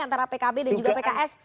antara pkb dan juga pks